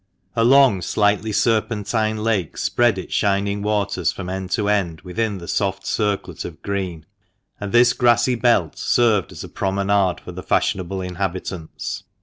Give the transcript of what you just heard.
A long, slightly serpentine lake spread its shining waters from end to end within the soft circlet of green ; and this grassy belt served as a promenade for the fashionable inhabitants.